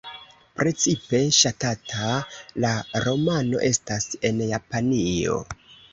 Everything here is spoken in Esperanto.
Precipe ŝatata la romano estas en Japanio.